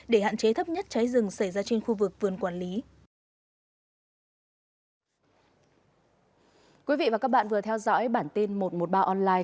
để hạn chế thấp nhất cháy rừng xảy ra trên khu vực vườn quản lý